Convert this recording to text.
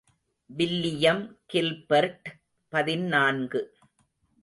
William Gilbert பதினான்கு .